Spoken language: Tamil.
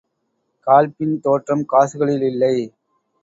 காழ்ப்பின் தோற்றம் காசுகளிலில்லை.